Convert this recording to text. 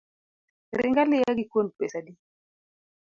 Ring aliya gi kuon pesa adi?